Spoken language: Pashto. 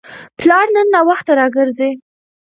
پلار نن ناوخته راګرځي.